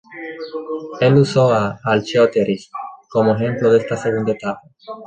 Él usó a "Archaeopteryx" como ejemplo de esta segunda etapa.